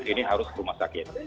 ini harus rumah sakit